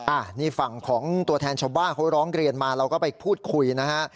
อันนี้ฝั่งของตัวแทนชาวบ้านเขาร้องเรียนมาเราก็ไปพูดคุยนะฮะ